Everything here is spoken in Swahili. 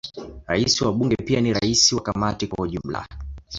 Rais wa Bunge pia ni rais wa Kamati kwa ujumla.